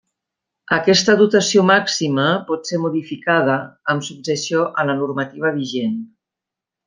Aquesta dotació màxima pot ser modificada, amb subjecció a la normativa vigent.